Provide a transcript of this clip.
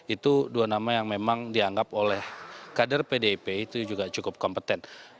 itu dua nama yang memang dianggap oleh kader pdip itu juga cukup kompeten